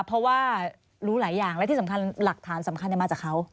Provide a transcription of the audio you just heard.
เพราะว่ารู้หลายอย่างและที่สำคัญหลักฐานสำคัญมาจากเขา